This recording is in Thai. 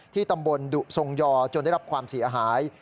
ตำบลดุทรงยอจนได้รับความเสียหาย